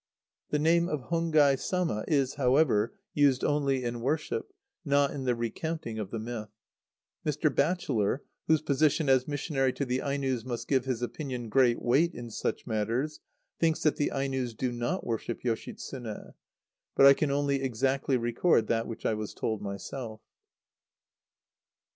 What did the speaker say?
The name of Hongai Sama is, however, used only in worship, not in the recounting of the myth. Mr. Batchelor, whose position as missionary to the Ainos must give his opinion great weight in such matters, thinks that the Ainos do not worship Yoshitsune. But I can only exactly record that which I was told myself.